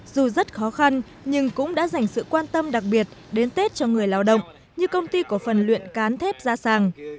dù rất khó khăn nhưng cũng đã dành sự quan tâm đặc biệt đến tết cho người lao động như công ty cổ phần luyện cán thép gia sàng